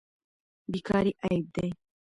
بیکاري عیب دی.